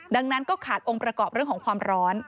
ดังนั้นก็ขาดองค์ประกอบเรื่องของความร้อน